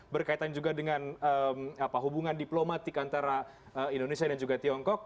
berkaitan juga dengan hubungan diplomatik antara indonesia dan juga tiongkok